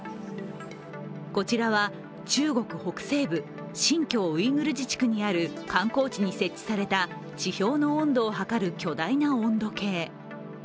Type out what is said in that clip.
こちらは中国北西部新疆ウイグル自治区にある観光地に設置された地表の温度を測る巨大な温度計。